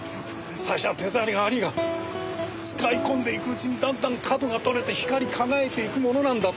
最初は手触りが悪いが使い込んでいくうちにだんだん角が取れて光り輝いていくものなんだ。